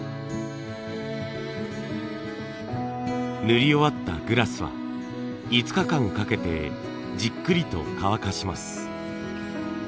塗り終わったグラスは５日間かけてじっくりと乾かします。